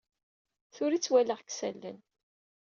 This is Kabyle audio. Tura i tt-walaɣ deg isallen.